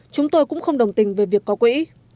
chúng tôi cũng không đồng tình về việc có quỹ